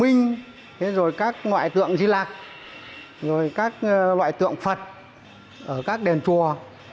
quan công khổng minh các loại tượng di lạc các loại tượng phật ở các đền chùa